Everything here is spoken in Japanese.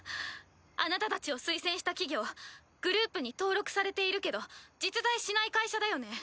あなたたちを推薦した企業グループに登録されているけど実在しない会社だよね？